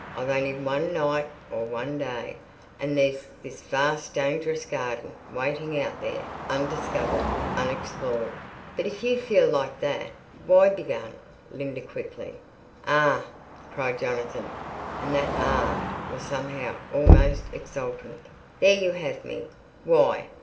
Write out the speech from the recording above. I've only one night or one day, and there's this vast dangerous garden, waiting out there, undiscovered, unexplored." "But, if you feel like that, why—" began Linda quickly. "Ah!" cried Jonathan. And that "ah!" was somehow almost exultant. "There you have me. Why?